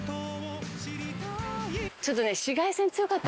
ちょっとね。